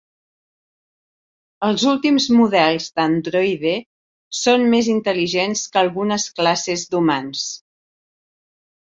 Els últims models d'androide són més intel·ligents que algunes classes d'humans.